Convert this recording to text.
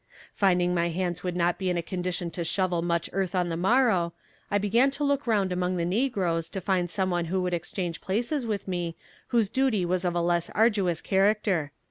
Finding my hands would not be in a condition to shovel much earth on the morrow, I began to look round among the negroes to find some one who would exchange places with me whose duty was of a less arduous character.